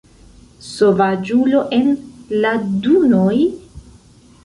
Sovaĝulo en la dunoj!?